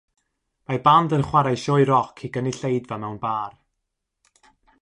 Mae band yn chwarae sioe roc i gynulleidfa mewn bar